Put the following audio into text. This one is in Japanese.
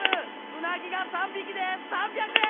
うなぎが３匹で３００円！